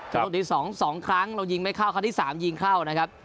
ลูกที่๒๒ครั้งเรายิงไม่เข้าครั้งที่๓ยิงเข้านะครับ